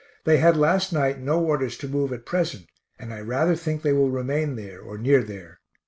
They had last night no orders to move at present, and I rather think they will remain there, or near there.